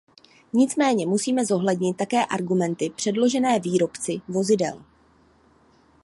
Nicméně musíme zohlednit také argumenty předložené výrobci vozidel.